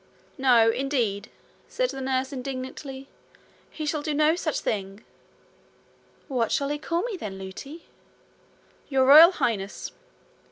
'No, indeed,' said the nurse indignantly. 'He shall do no such thing.' 'What shall he call me, then, Lootie?' 'Your Royal Highness.'